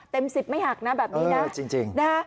เต็มสิบไม่หักนะแบบนี้นะ